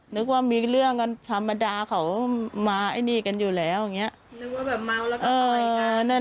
นึกว่ามีเรื่องกันธรรมดาเขามาไอ้นี่กันอยู่แล้วอย่างเงี้ยนึกว่าแบบเมาแล้วก็